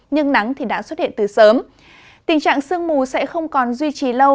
nhưng nắng thì đã xuất hiện từ sớm tình trạng sương mù sẽ không còn duy trì lâu